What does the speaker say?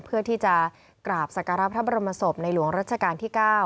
เพื่อที่จะกราบสักการะพระบรมศพในหลวงรัชกาลที่๙